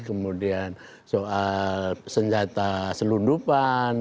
kemudian soal senjata selundupan